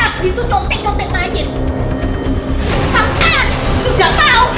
kok berarti tak gitu jontek jontek lagi